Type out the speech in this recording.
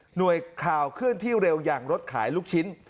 ข่าวเคลื่อนที่เร็วอย่างรถขายลูกชิ้น